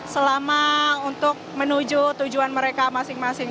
selama untuk menuju tujuan mereka masing masing